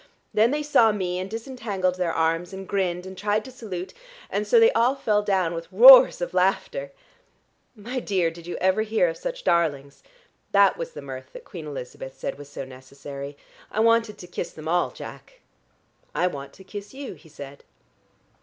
Then they saw me, and disentangled their arms and grinned, and tried to salute, and so they all fell down with roars of laughter. My dear, did you ever hear of such darlings? That was the mirth that Queen Elizabeth said was so necessary. I wanted to kiss them all, Jack." "I want to kiss you," he said.